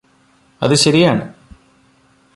അത് ശരിയാണ്